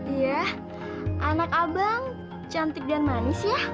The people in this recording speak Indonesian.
iya anak abang cantik dan manis ya